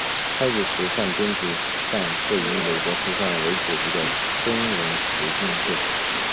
超级时尚编辑战是以美国时尚为主题的真人实境秀。